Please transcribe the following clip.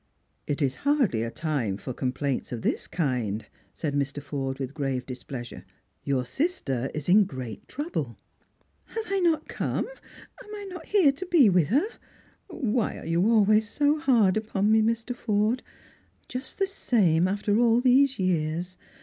" It is hardly a time for complaints of this kind," said Mr. Forde, with grave displeasure. " Your sister is in great trouble." " Have I not come? Am I not here to be with her? O, why are you always so hard upon me, Mr. Forde P Just the same after all these years.